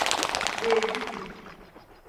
Beediti.